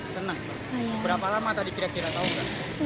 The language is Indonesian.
senang berapa lama tadi kira kira tau gak